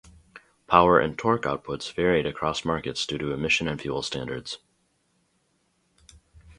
Power and torque outputs varied across markets due to emission and fuel standards.